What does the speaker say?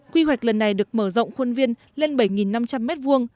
quy hoạch lần này được mở rộng khuôn viên lên bảy năm trăm linh m hai